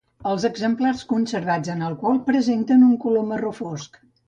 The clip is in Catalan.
Els exemplars conservats en alcohol presenten un color marró fosc.